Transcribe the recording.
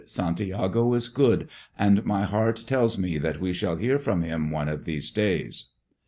Santiago is good, and my heart tells me that we shall hear from him one of these days."